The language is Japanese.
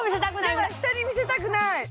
やだ人に見せたくない！